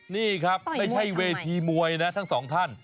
นี่ครับไม่ใช่เวทีมวยนะทั้งสองท่าน